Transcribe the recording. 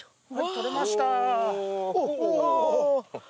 採れました。